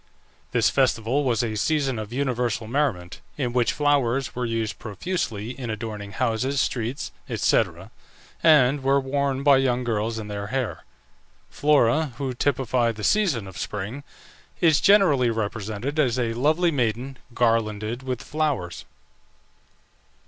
This festival was a season of universal merriment, in which flowers were used profusely in adorning houses, streets, &c., and were worn by young girls in their hair. Flora, who typified the season of Spring, is generally represented as a lovely maiden, garlanded with flowers.